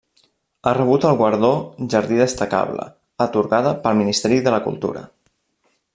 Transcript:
Ha rebut el guardó Jardí destacable, atorgada pel Ministeri de la Cultura.